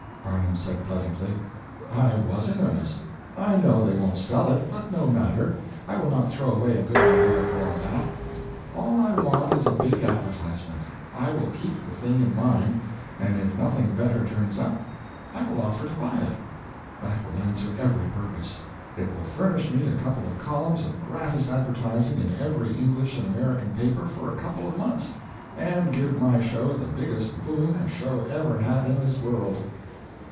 Barnum said pleasantly "I was in earnest. I know they won't sell it, but no matter, I will not throw away a good idea for all that. All I want is a big advertisement. I will keep the thing in mind, and if nothing better turns up I will offer to buy it. That will answer every purpose. It will furnish me a couple of columns of gratis advertising in every English and American paper for a couple of months, and give my show the biggest boom a show ever had in this world."